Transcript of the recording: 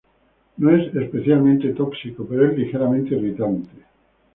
No es especialmente tóxico, pero es ligeramente irritante.